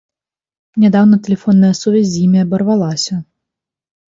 Нядаўна тэлефонная сувязь з імі абарвалася.